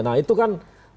nah itu kan